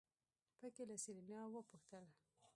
په کې له سېرېنا وپوښتل.